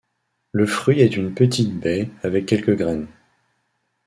Le fruit est une petite baie avec quelques graines.